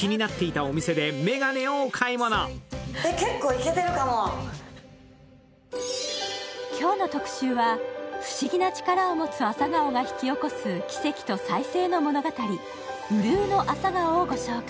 そして、気になる受賞作の内容は今日の特集は、不思議な力を持つ朝顔が引き起こす奇跡と再生の物語「うるうの朝顔」をご紹介。